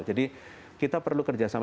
jadi kita perlu kerjasama